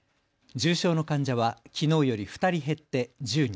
重症のの患者はきのうより２人減って１０人。